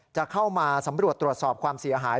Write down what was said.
จะเข้ามาสำรวจตรวจสอบความเสียหาย